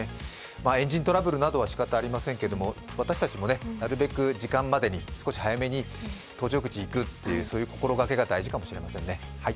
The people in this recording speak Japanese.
エンジントラブルなどはしかたありませんけれども私たちもなるべく時間までに少し早めに搭乗口に行くという心掛けが大事かもしれませんね。